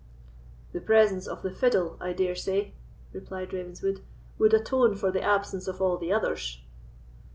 "The presence of the fiddle, I dare say," replied Ravenswood, "would atone for the absence of all the others."